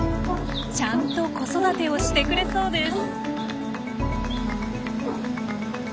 ちゃんと子育てをしてくれそうです。